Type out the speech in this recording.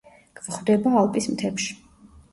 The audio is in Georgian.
გვხვდება ალპის მთებში.